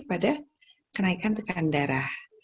pada kenaikan tekanan darah